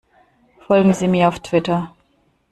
Folgen Sie mir auf Twitter!